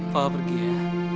papa pergi ya